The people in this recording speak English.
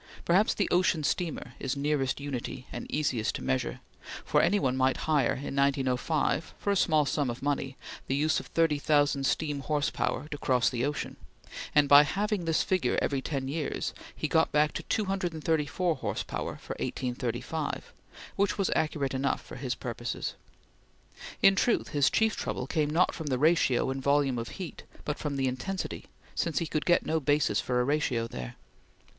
Perhaps the ocean steamer is nearest unity and easiest to measure, for any one might hire, in 1905, for a small sum of money, the use of 30,000 steam horse power to cross the ocean, and by halving this figure every ten years, he got back to 234 horse power for 1835, which was accuracy enough for his purposes. In truth, his chief trouble came not from the ratio in volume of heat, but from the intensity, since he could get no basis for a ratio there.